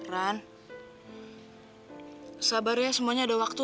saran sabar ya semuanya ada waktu